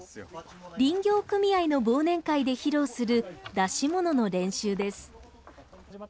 林業組合の忘年会で披露する出し物の練習です。